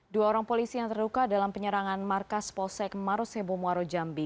dua orang polisi yang terluka dalam penyerangan markas polsek marosebo muaro jambi